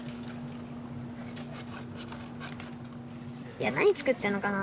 いや「何作ってんのかな」